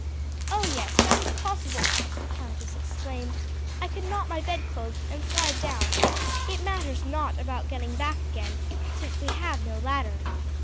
"Oh, yes, that is possible!" the countess exclaimed; "I could knot my bed clothes and slide down. It matters not about getting back again, since we have no ladder."